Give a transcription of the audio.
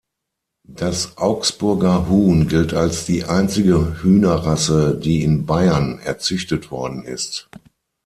Das Augsburger Huhn gilt als die einzige Hühnerrasse, die in Bayern erzüchtet worden ist.